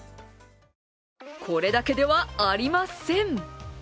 これだけではありません。